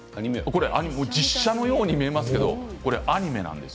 これは実写のように見えますけれどもアニメなんです。